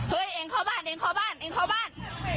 เองเข้าบ้านเองเข้าบ้านเองเข้าบ้าน